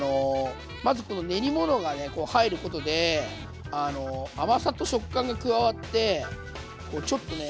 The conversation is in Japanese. まずこの練り物が入ることで甘さと食感が加わってちょっとね